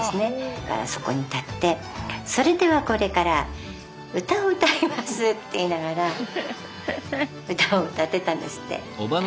だからそこに立って「それではこれから歌を歌います」って言いながら歌を歌ってたんですって。